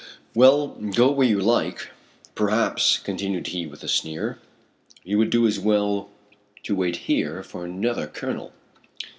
"Well, go where you like. Perhaps," continued he with a sneer, "you would do as well to wait here, for another colonel."